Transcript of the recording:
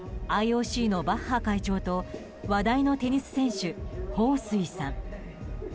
ＩＯＣのバッハ会長と話題のテニス選手ホウ・スイさん。